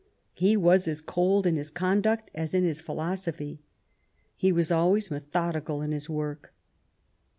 He was as cold in his conduct as in his philosophy. He was always methodical in his work.